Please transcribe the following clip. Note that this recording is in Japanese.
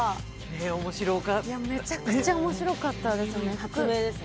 めちゃくちゃ面白かったですよね。